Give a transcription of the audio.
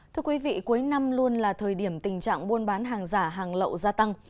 thưa quý vị cuối năm luôn là thời điểm tình trạng buôn bán hàng giả hàng lậu gia tăng